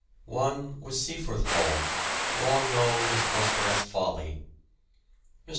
One was Seaforth Hall, long known as "Muspratt's folly." Mr.